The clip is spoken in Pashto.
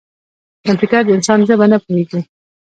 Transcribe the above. کمپیوټر د انسان ژبه نه پوهېږي.